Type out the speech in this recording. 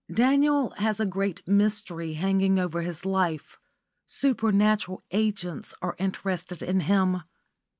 Daniel has a great mystery hanging over his life. Supernatural agents are interested in him.